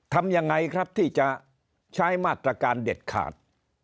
ทำยังไงครับที่จะใช้มาตรการเด็ดขาด